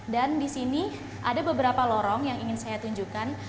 dan di sini ada beberapa lorong yang ingin saya tunjukkan